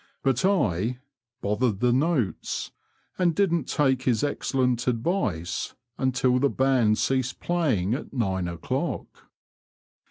'' But I "bothered the notes," and didn't take his excellent advice until after the band ceased playing at nine o'clock.